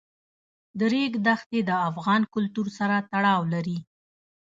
د ریګ دښتې د افغان کلتور سره تړاو لري.